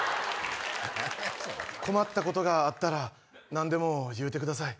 困ったことがあったら何でも言うてください。